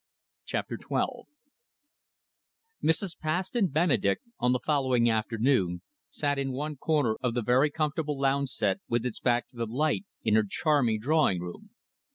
CHAPTER XII Mrs. Paston Benedek, on the following afternoon, sat in one corner of the very comfortable lounge set with its back to the light in her charming drawing room.